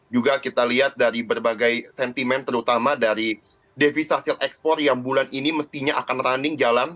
juga kita lihat dari berbagai sentimen terutama dari devisa hasil ekspor yang bulan ini mestinya akan running jalan